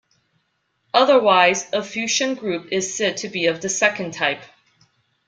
Otherwise, a Fuchsian group is said to be of the second type.